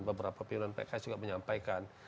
beberapa pilihan pks juga menyampaikan